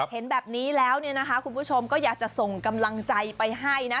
เห็นแบบนี้แล้วเนี่ยนะคะคุณผู้ชมก็อยากจะส่งกำลังใจไปให้นะ